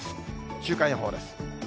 週間予報です。